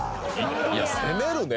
いや攻めるね